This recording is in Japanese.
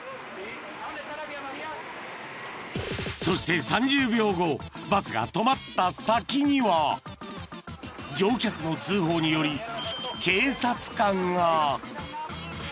［そして３０秒後バスが止まった先には乗客の通報により］